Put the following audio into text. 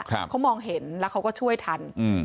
เขามองเห็นแล้วเขาก็ช่วยทันอืม